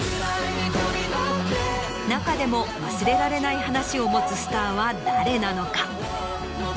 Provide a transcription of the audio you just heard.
中でも忘れられない話を持つスターは誰なのか？